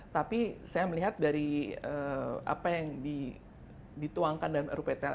tapi saya melihat dari apa yang dituangkan dan ruptl